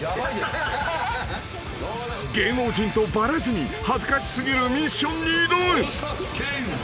［芸能人とバレずに恥ずかし過ぎるミッションに挑む］